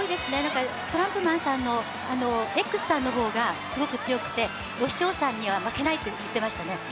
トランプマンさんのＸさんの方がすごく強くで、お師匠さんには負けないって言ってましたね。